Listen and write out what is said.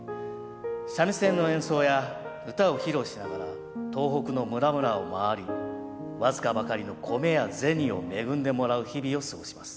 三味線の演奏や唄を披露しながら東北の村々を回り僅かばかりの米や銭を恵んでもらう日々を過ごします。